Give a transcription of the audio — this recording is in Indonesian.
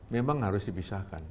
memang harus dipisahkan